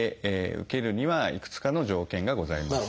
受けるにはいくつかの条件がございます。